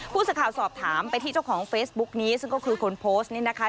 ผู้สื่อข่าวสอบถามไปที่เจ้าของเฟซบุ๊กนี้ซึ่งก็คือคนโพสต์นี่นะคะ